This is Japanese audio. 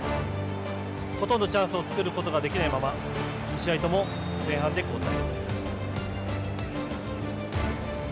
ほとんどチャンスを作ることができないまま２試合とも、前半で交代。